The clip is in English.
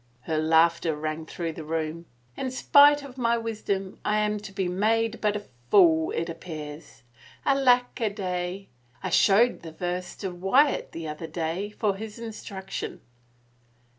Her laughter rang through the room. " In spite of my wisdom I am to be made but a fool, it appears! Alack a day! ... I showed the verse to Wyatt the other day for his instruction."